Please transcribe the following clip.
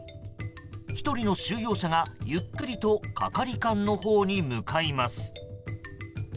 １人の収容者が、ゆっくりと係官のほうに向かいます。